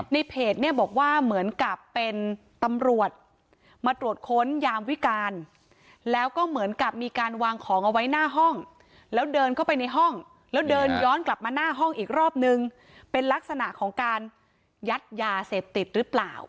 ในเพจเนี่ยบอกว่าเหมือนกับเป็นตำรวจมาตรวจค้นยามวิการแล้วก็เหมือนกับมีการวางของเอาไว้หน้าห้องแล้วเดินเข้าไปในห้องแล้วเดินย้อนกลับมาหน้าห้องอีกรอบนึงเป็นลักษณะของการยัดยาเสพติดหรือเปล่า